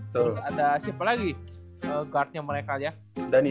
terus ada siapa lagi